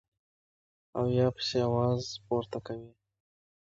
او يا پسې اواز پورته کوي -